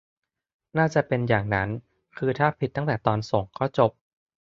น่าจะเป็นอย่างนั้น คือถ้าผิดตั้งแต่ตอนส่งก็จบ